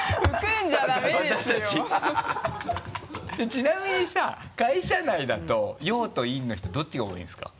ちなみにさ会社内だと陽と陰の人どっちが多いんですか？